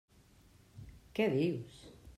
Què dius?